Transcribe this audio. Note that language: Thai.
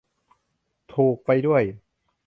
ถูก ไปด้วย !